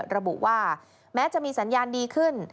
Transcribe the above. ระบุว่าแม้จะมีสัญญาณดีขึ้น